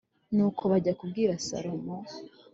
Nuko bajya kubwira Salomo